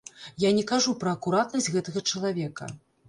Я не кажу пра акуратнасць гэтага чалавека.